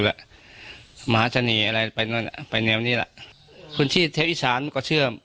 ฮะหมาชะเนยอะไรไปไปแนวนี้ฮะคนที่ที่เทพอีสานก็เชื่อ